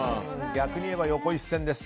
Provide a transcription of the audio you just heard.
逆に言えば横一線です。